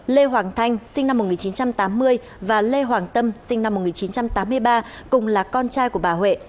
lê hoàng thanh sinh năm một nghìn chín trăm tám mươi và lê hoàng tâm sinh năm một nghìn chín trăm tám mươi ba cùng là con trai của bà huệ